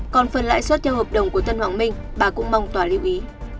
còn phần lãi suất theo hợp đồng của tân hoàng minh bà cũng mong tòa lưu ý